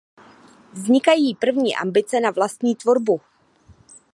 Vznikají první ambice na vlastní tvorbu.